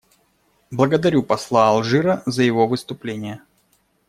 Благодарю посла Алжира за его выступление.